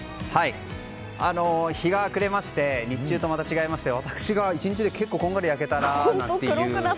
日が暮れまして日中とはまた違いまして私、１日で結構こんがり焼けました。